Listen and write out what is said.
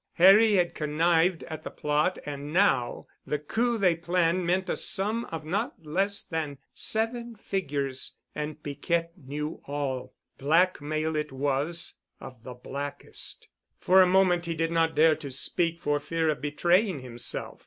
Harry had connived at the plot and now the coup they planned meant a sum of not less than "seven figures." And Piquette knew all. Blackmail it was—of the blackest. For a moment he did not dare to speak for fear of betraying himself.